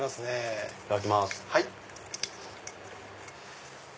いただきます。